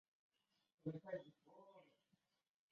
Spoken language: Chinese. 小虾花为爵床科尖尾凤属下的一个种。